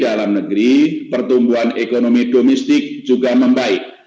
dalam negeri pertumbuhan ekonomi domestik juga membaik